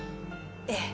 ええ。